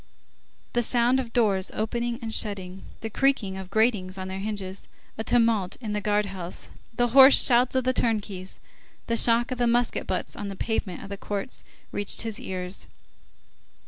The sound of doors opening and shutting, the creaking of gratings on their hinges, a tumult in the guard house, the hoarse shouts of the turnkeys, the shock of musket butts on the pavement of the courts, reached his ears.